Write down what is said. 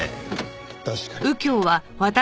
確かに。